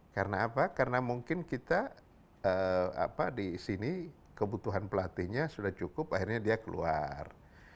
karena apa karena mungkin kita apa di sini kebutuhan pelatihnya sudah cukup akhirnya dia keluar